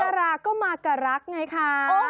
มักกะรากก็มากกะรักไงคะ